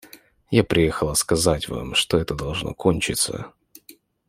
Я приехала сказать вам, что это должно кончиться.